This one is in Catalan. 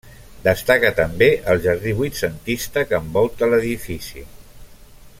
Destaca també el jardí vuitcentista que envolta l'edifici.